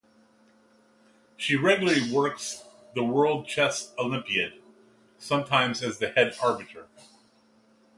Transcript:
She regularly works the World Chess Olympiad, sometimes as the Head Arbiter.